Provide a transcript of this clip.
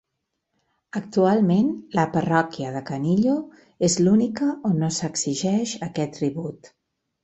Actualment, la parròquia de Canillo és l'única on no s'exigeix aquest tribut.